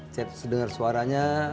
cek dengar suaranya